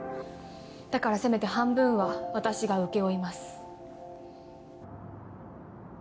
だからせめて半分は私が請け負います。